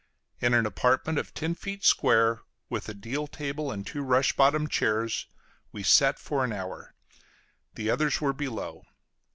In an apartment of ten feet square, with a deal table and two rush bottomed chairs, we sat for an hour; the others were below.